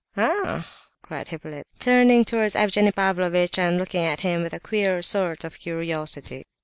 "Ah!" cried Hippolyte, turning towards Evgenie Pavlovitch, and looking at him with a queer sort of curiosity.